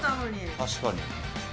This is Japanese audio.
確かに。